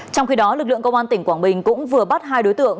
trong khi đó lực lượng công an tỉnh quảng bình cũng vừa bắt hai đối tượng